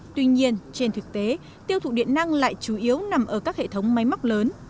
tuy nhiên trên thực tế tiêu thụ điện năng lại chủ yếu nằm ở các hệ thống máy móc lớn